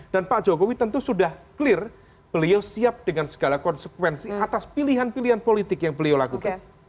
dan pak jokowi tentu sudah clear beliau siap dengan segala konsekuensi atas pilihan pilihan politik yang beliau lakukan